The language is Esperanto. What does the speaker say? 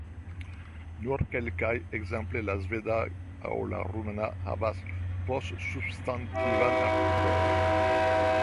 Nur kelkaj, ekzemple la sveda aŭ la rumana havas postsubstantivan artikolon.